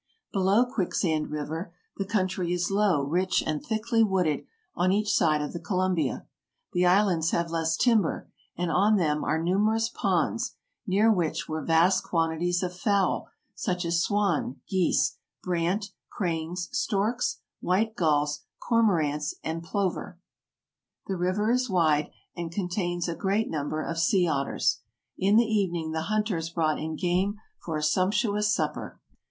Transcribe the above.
Below Quicksand River, the country is low, rich, and thickly wooded on each side of the Columbia ; the islands have less timber, and on them are numerous ponds, near which were vast quantities of fowl, such as swan, geese, brant, cranes, storks, white gulls, cormorants, and plover. 148 AMERICA 149 The river is wide and contains a great number of sea otters. In .the evening the hunters brought in game for a sumptuous supper.